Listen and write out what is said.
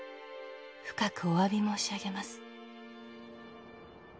「深くお詫び申し上げます」